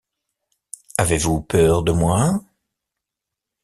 Avez-vous peur de moi ?